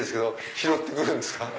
拾って来るんですか？